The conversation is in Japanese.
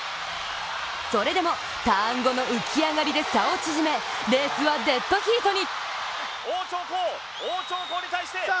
それでもターン後の浮き上がりで差を縮め、レースはデッドヒートに。